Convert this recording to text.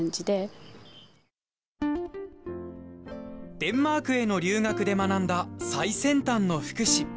デンマークへの留学で学んだ最先端の福祉。